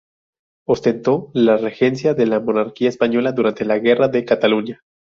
Ostentó la regencia de la Monarquía española durante la Guerra de Cataluña.